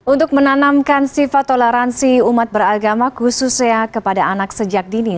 untuk menanamkan sifat toleransi umat beragama khususnya kepada anak sejak dini